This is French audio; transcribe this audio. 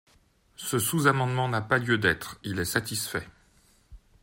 Ce sous-amendement n’a pas lieu d’être, il est satisfait.